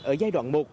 ở giai đoạn một